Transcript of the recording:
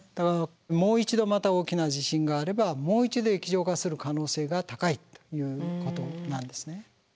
もう一度また大きな地震があればもう一度液状化する可能性が高いということなんですね。